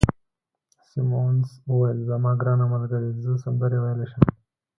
سیمونز وویل: زما ګرانه ملګرې، زه سندرې ویلای شم.